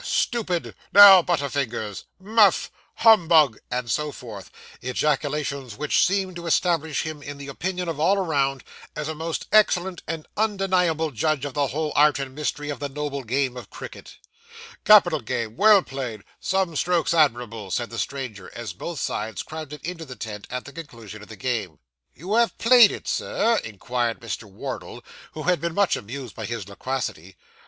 stupid' 'Now, butter fingers' 'Muff' 'Humbug' and so forth ejaculations which seemed to establish him in the opinion of all around, as a most excellent and undeniable judge of the whole art and mystery of the noble game of cricket. 'Capital game well played some strokes admirable,' said the stranger, as both sides crowded into the tent, at the conclusion of the game. 'You have played it, sir?' inquired Mr. Wardle, who had been much amused by his loquacity.